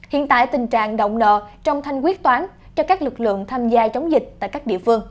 hiện tại tình trạng động nợ trong thanh quyết toán cho các lực lượng tham gia chống dịch tại các địa phương